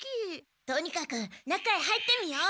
とにかく中へ入ってみよう。